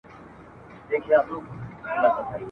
پر باوړۍ باندي غویی یې وو لیدلی !.